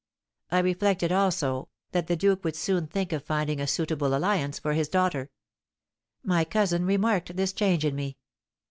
I reflected, also, that the duke would soon think of finding a suitable alliance for his daughter. My cousin remarked this change in me.